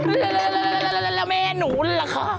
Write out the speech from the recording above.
ละละละละแม่หนูล่ะค่ะ